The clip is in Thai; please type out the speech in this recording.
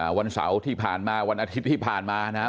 วันเสาร์ที่ผ่านมาวันอาทิตย์ที่ผ่านมานะครับ